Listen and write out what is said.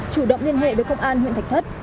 chủ động liên hệ với công an huyện thạch thất